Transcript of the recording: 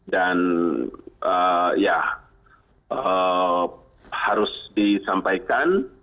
dan ya harus disampaikan